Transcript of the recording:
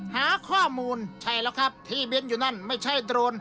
หาข้อมูลใช่แล้วครับที่บินอยู่นั่นไม่ใช่โดรน